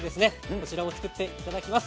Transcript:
こちらを作っていただきます。